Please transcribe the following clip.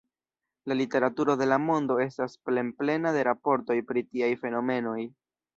La literaturo de la mondo estas plenplena de raportoj pri tiaj fenomenoj.